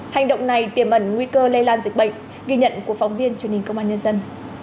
hành động này tiềm ẩn nguy cơ lây lan dịch bệnh ghi nhận của phóng viên truyền hình công an nhân dân